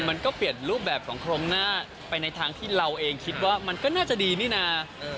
มันก็เปลี่ยนรูปแบบของโครงหน้าไปในทางที่เราเองคิดว่ามันก็น่าจะดีนี่นะ